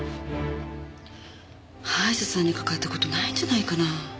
歯医者さんにかかった事ないんじゃないかな？